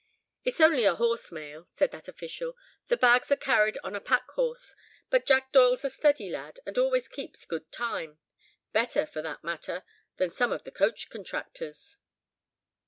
"It's only a horse mail," said that official, "the bags are carried on a pack horse. But Jack Doyle's a steady lad, and always keeps good time—better, for that matter, than some of the coach contractors."